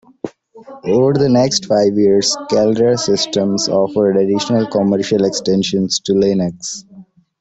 Over the next five years, Caldera Systems offered additional commercial extensions to Linux.